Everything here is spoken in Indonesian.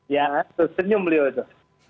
ya senyum beliau itu